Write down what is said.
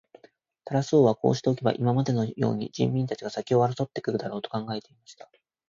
タラス王はこうしておけば、今までのように人民たちが先を争って来るだろう、と考えていました。